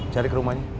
cari ke rumahnya